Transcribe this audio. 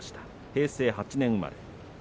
平成８年生まれ。